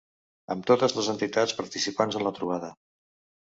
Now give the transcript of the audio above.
Amb totes les entitats participants en la trobada.